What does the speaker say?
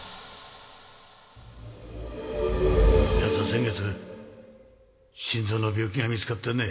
やつは先月心臓の病気が見つかってね。